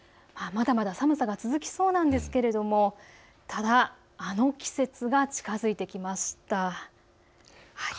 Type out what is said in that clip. まだまだ寒さが続きそうなんですけれどもただ、あの季節が近づいてきました。